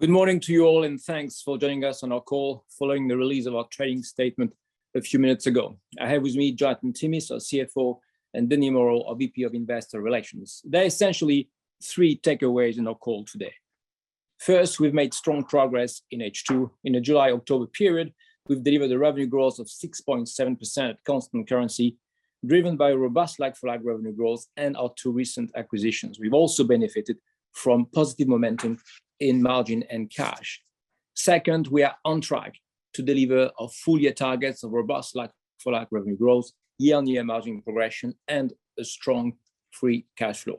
Good morning to you all, and thanks for joining us on our call following the release of our trading statement a few minutes ago. I have with me Jonathan Timmis, our CFO, and Denis Moreau, our VP of Investor Relations. There are essentially three takeaways in our call today. First, we've made strong progress in H2. In the July-October period, we've delivered a revenue growth of 6.7% at constant currency, driven by robust like-for-like revenue growth and our two recent acquisitions. We've also benefited from positive momentum in margin and cash. Second, we are on track to deliver our full year targets of robust like-for-like revenue growth, year-on-year margin progression, and a strong free cash flow.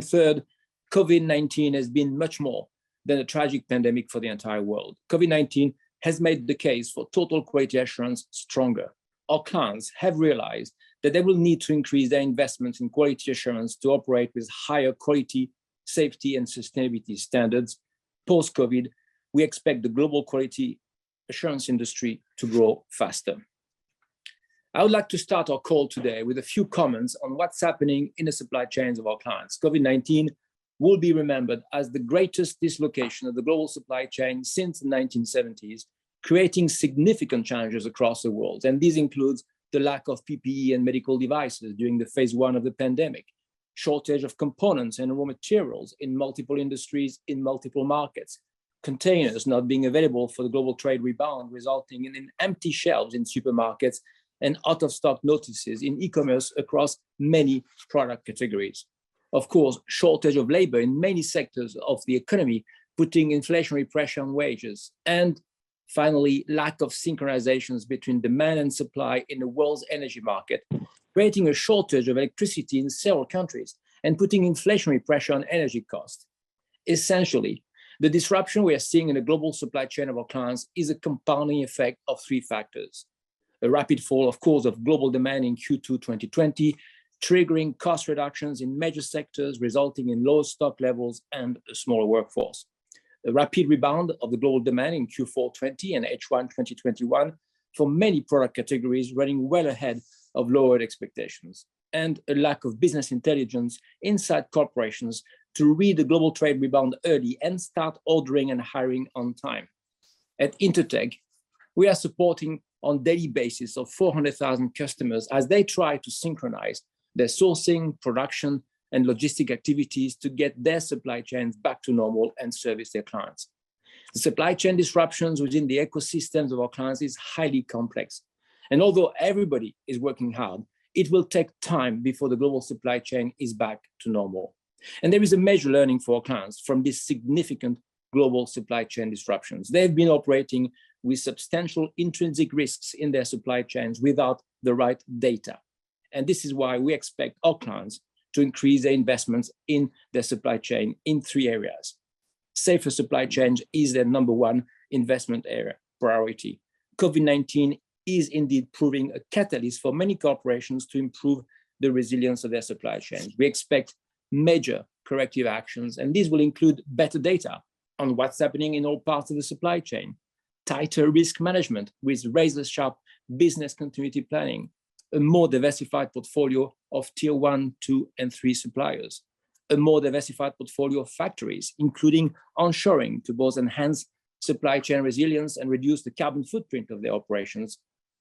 Third, COVID-19 has been much more than a tragic pandemic for the entire world. COVID-19 has made the case for total quality assurance stronger. Our clients have realized that they will need to increase their investment in quality assurance to operate with higher quality, safety, and sustainability standards. Post-COVID, we expect the global quality assurance industry to grow faster. I would like to start our call today with a few comments on what's happening in the supply chains of our clients. COVID-19 will be remembered as the greatest dislocation of the global supply chain since the 1970s, creating significant challenges across the world. This includes the lack of PPE and medical devices during the phase one of the pandemic, shortage of components and raw materials in multiple industries in multiple markets, containers not being available for the global trade rebound, resulting in empty shelves in supermarkets and out-of-stock notices in e-commerce across many product categories. Of course, shortage of labor in many sectors of the economy, putting inflationary pressure on wages. Finally, lack of synchronization between demand and supply in the world's energy market, creating a shortage of electricity in several countries and putting inflationary pressure on energy costs. Essentially, the disruption we are seeing in the global supply chain of our clients is a compounding effect of three factors. A rapid fall, of course, of global demand in Q2 2020, triggering cost reductions in major sectors, resulting in low stock levels and a smaller workforce. A rapid rebound of the global demand in Q4 2020 and H1 2021 for many product categories running well ahead of lowered expectations. A lack of business intelligence inside corporations to read the global trade rebound early and start ordering and hiring on time. At Intertek, we are supporting, on a daily basis, over 400,000 customers as they try to synchronize their sourcing, production, and logistics activities to get their supply chains back to normal and serve their clients. The supply chain disruptions within the ecosystems of our clients is highly complex. Although everybody is working hard, it will take time before the global supply chain is back to normal. There is a major learning for our clients from these significant global supply chain disruptions. They've been operating with substantial intrinsic risks in their supply chains without the right data. This is why we expect our clients to increase their investments in their supply chain in three areas. Safer supply chains is their number one investment area priority. COVID-19 is indeed proving a catalyst for many corporations to improve the resilience of their supply chains. We expect major corrective actions, and these will include better data on what's happening in all parts of the supply chain, tighter risk management with razor-sharp business continuity planning, a more diversified portfolio of tier one, two, and three suppliers, a more diversified portfolio of factories, including onshoring to both enhance supply chain resilience and reduce the carbon footprint of their operations,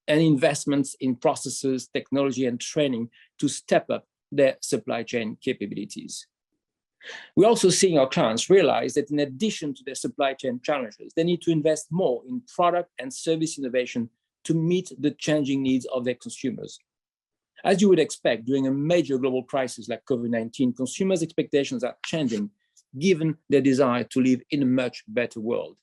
and investments in processes, technology, and training to step up their supply chain capabilities. We're also seeing our clients realize that in addition to their supply chain challenges, they need to invest more in product and service innovation to meet the changing needs of their consumers. As you would expect during a major global crisis like COVID-19, consumers' expectations are changing given their desire to live in a much better world.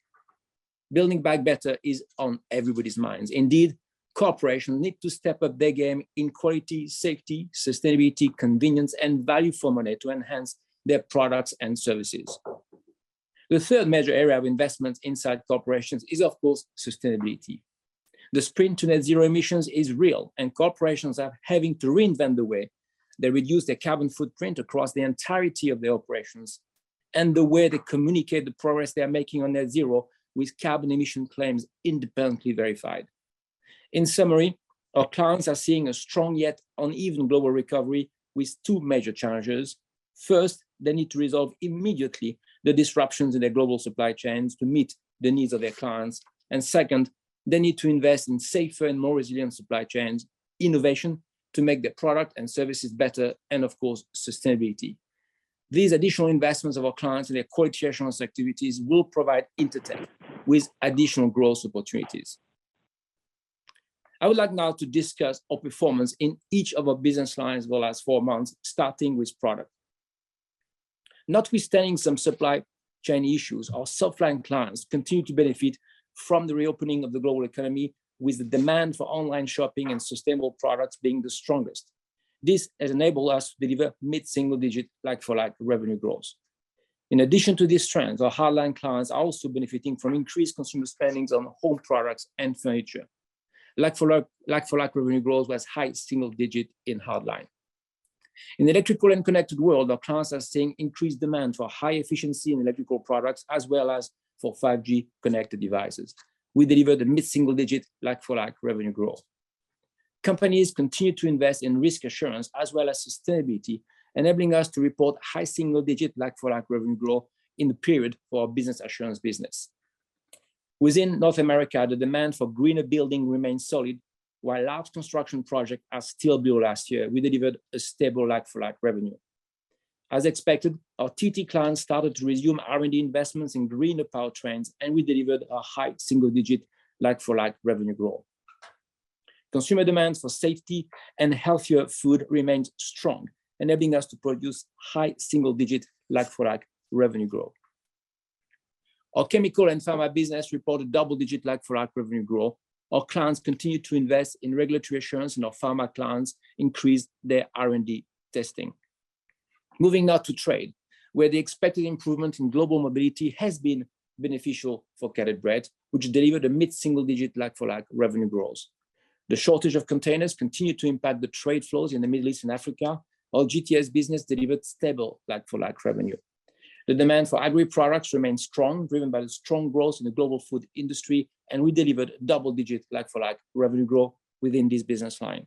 Building back better is on everybody's minds. Indeed, corporations need to step up their game in quality, safety, sustainability, convenience, and value formulae to enhance their products and services. The third major area of investments inside corporations is, of course, sustainability. The sprint to net zero emissions is real, and corporations are having to reinvent the way they reduce their carbon footprint across the entirety of their operations and the way they communicate the progress they are making on net zero with carbon emission claims independently verified. In summary, our clients are seeing a strong yet uneven global recovery with two major challenges. First, they need to resolve immediately the disruptions in their global supply chains to meet the needs of their clients. Second, they need to invest in safer and more resilient supply chains, innovation to make their product and services better, and of course, sustainability. These additional investments of our clients in their quality assurance activities will provide Intertek with additional growth opportunities. I would like now to discuss our performance in each of our business lines over the last four months, starting with Products. Notwithstanding some supply chain issues, our Softlines clients continue to benefit from the reopening of the global economy, with the demand for online shopping and sustainable products being the strongest. This has enabled us to deliver mid-single-digit like-for-like revenue growth. In addition to these trends, our Hardlines clients are also benefiting from increased consumer spending on home products and furniture. Like-for-like revenue growth was high single digit in Hardlines. In the electrical and connected world, our clients are seeing increased demand for high efficiency in electrical products as well as for 5G connected devices. We delivered a mid-single-digit like-for-like revenue growth. Companies continue to invest in risk assurance as well as sustainability, enabling us to report high single-digit like-for-like revenue growth in the period for our Business Assurance business. Within North America, the demand for greener building remained solid, while large construction projects were still being built last year, we delivered a stable like-for-like revenue. As expected, our TT clients started to resume R&D investments in greener powertrains, and we delivered a high single-digit like-for-like revenue growth. Consumer demands for safety and healthier food remained strong, enabling us to produce high single-digit like-for-like revenue growth. Our chemical and pharma business reported double-digit like-for-like revenue growth. Our clients continue to invest in regulatory assurance, and our pharma clients increased their R&D testing. Moving now to trade, where the expected improvement in global mobility has been beneficial for Caleb Brett, which delivered a mid-single-digit like-for-like revenue growth. The shortage of containers continued to impact the trade flows in the Middle East and Africa. Our GTS business delivered stable like-for-like revenue. The demand for agri products remained strong, driven by the strong growth in the global food industry, and we delivered double-digit like-for-like revenue growth within this business line.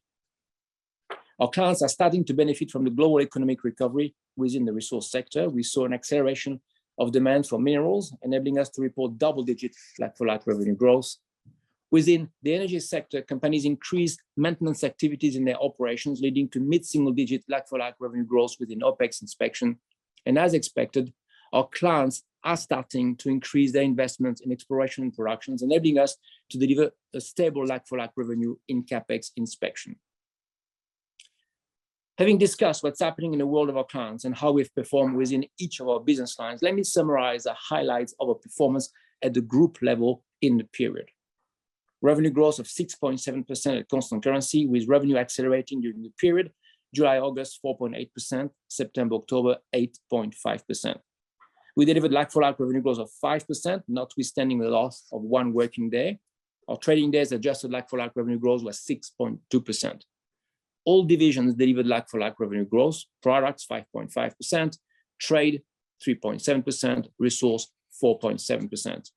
Our clients are starting to benefit from the global economic recovery within the resource sector. We saw an acceleration of demand for minerals, enabling us to report double-digit like-for-like revenue growth. Within the energy sector, companies increased maintenance activities in their operations, leading to mid-single-digit like-for-like revenue growth within OpEx inspection. As expected, our clients are starting to increase their investments in exploration and production, enabling us to deliver a stable like-for-like revenue in CapEx inspection. Having discussed what's happening in the world of our clients and how we've performed within each of our business lines, let me summarize the highlights of our performance at the group level in the period. Revenue growth of 6.7% at constant currency, with revenue accelerating during the period July, August, 4.8%, September, October, 8.5%. We delivered like-for-like revenue growth of 5%, notwithstanding the loss of 1 working day. Our trading days adjusted like-for-like revenue growth was 6.2%. All divisions delivered like-for-like revenue growth, products 5.5%, trade 3.7%, resource 4.7%.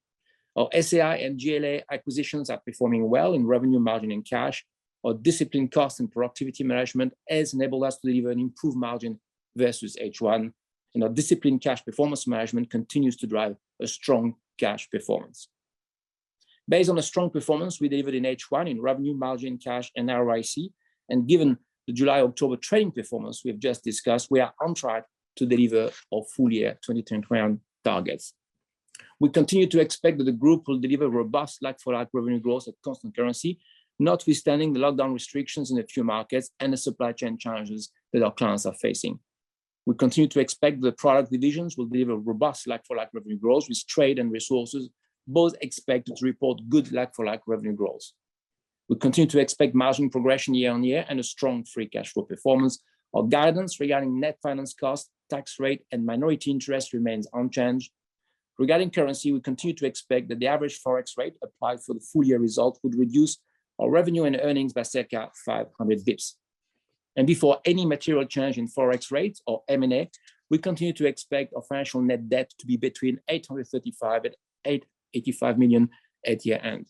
Our SAI and GLA acquisitions are performing well in revenue margin and cash. Our disciplined cost and productivity management has enabled us to deliver an improved margin versus H1. Our disciplined cash performance management continues to drive a strong cash performance. Based on a strong performance we delivered in H1 in revenue, margin, cash and ROIC, and given the July-October trading performance we have just discussed, we are on track to deliver our full-year 2021 targets. We continue to expect that the group will deliver robust like-for-like revenue growth at constant currency, notwithstanding the lockdown restrictions in a few markets and the supply chain challenges that our clients are facing. We continue to expect the product divisions will deliver robust like-for-like revenue growth, with trade and resources both expected to report good like-for-like revenue growth. We continue to expect margin progression year-on-year and a strong free cash flow performance. Our guidance regarding net finance cost, tax rate and minority interest remains unchanged. Regarding currency, we continue to expect that the average Forex rate applied for the full-year result would reduce our revenue and earnings by circa 500 basis points. Before any material change in Forex rates or M&A, we continue to expect our financial net debt to be between 835 million and 885 million at year-end.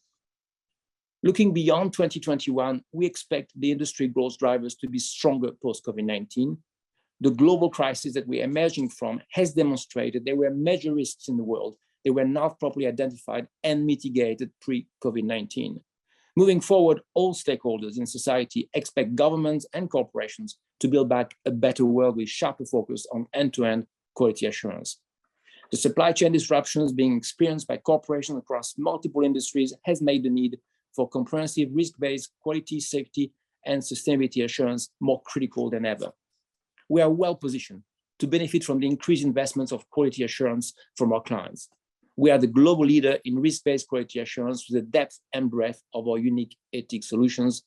Looking beyond 2021, we expect the industry growth drivers to be stronger post-COVID-19. The global crisis that we are emerging from has demonstrated there were major risks in the world that were not properly identified and mitigated pre-COVID-19. Moving forward, all stakeholders in society expect governments and corporations to build back a better world with sharper focus on end-to-end quality assurance. The supply chain disruptions being experienced by corporations across multiple industries has made the need for comprehensive risk-based quality, safety and sustainability assurance more critical than ever. We are well positioned to benefit from the increased investments in quality assurance from our clients. We are the global leader in risk-based quality assurance with the depth and breadth of our unique ATIC solutions.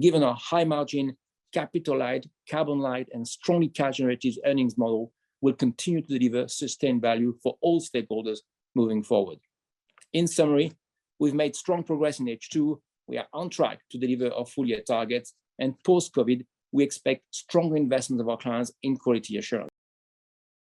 Given our high margin, capital light, carbon light and strongly cash generative earnings model, we'll continue to deliver sustained value for all stakeholders moving forward. In summary, we've made strong progress in H2. We are on track to deliver our full-year targets. Post-COVID, we expect strong investments in quality assurance from our clients.